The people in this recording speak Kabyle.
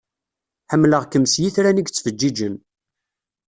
Ḥemmleɣ-kem s yitran i yettfeǧiǧen.